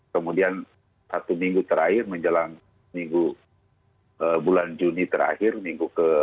kemudian satu minggu terakhir menjelang minggu bulan juni terakhir minggu ke